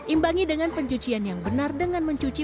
imbangi dengan pencucian yang benar dengan mencuci